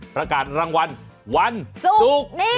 ประกาศรางวัลวันศุกร์นี้